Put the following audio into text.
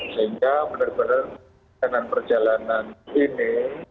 sehingga benar benar dengan perjalanan ini